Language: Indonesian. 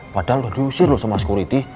padahal diusir loh sama sekuriti